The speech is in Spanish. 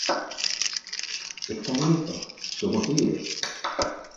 ¡ Está abierta! ¡ somos libres !